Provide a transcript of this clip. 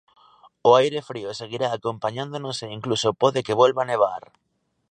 O aire frío seguirá acompañándonos e incluso pode que volva nevar.